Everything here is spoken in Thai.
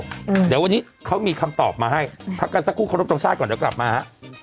เดี๋ยววันนี้เขามีคำตอบมาให้พักกันสักครู่ครบตรงชาติก่อนเดี๋ยวกลับมาฮะ